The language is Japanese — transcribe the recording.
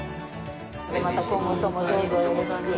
また今後ともどうぞよろしく。